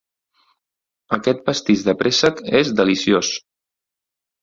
Aquest pastís de préssec és deliciós.